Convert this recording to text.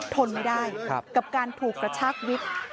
ทนไม่ได้กับการถูกกระชากวิทย์